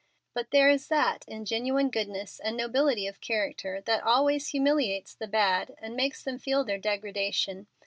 But there is that in genuine goodness and nobility of character that always humiliates the bad and makes them feel their degradation.